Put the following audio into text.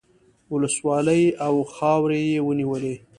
ولسوالۍ او خاورې یې ونیولې.